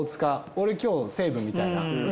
俺今日西武みたいな。